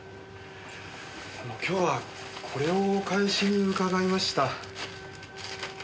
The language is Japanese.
今日はこれをお返しに伺いました。